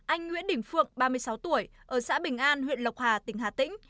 anh nguyễn đình phượng ba mươi sáu tuổi ở xã bình an huyện lộc hà tỉnh hà tĩnh